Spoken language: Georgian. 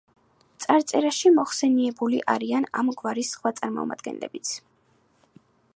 წარწერაში მოხსენიებული არიან ამ გვარის სხვა წარმომადგენლებიც.